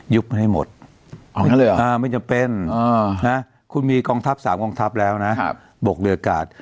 ให้หมดไม่จำเป็นคุณมีกองทัพ๓กองทัพแล้วนะบกเรืออากาศ